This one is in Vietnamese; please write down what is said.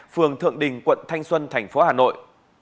phường thượng đình quận thanh xuân tp hà nội